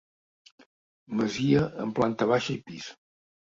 Masia amb planta baixa i pis.